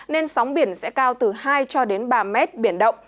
nên sóng biển sẽ cao từ hai cho đến ba mét biển động